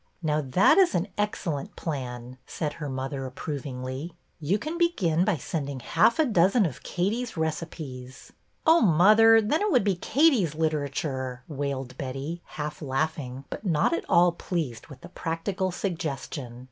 Now, that is an excellent plan," said her mother, approvingly. You can begin by send ing half a dozen of Katie's recipes —" Oh, mother, then it would be Katie's litera ture !" wailed Betty, half laughing, but not at all pleased with the practical suggestion.